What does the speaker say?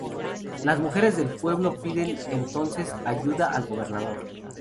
Las mujeres del pueblo piden entonces ayuda al gobernador.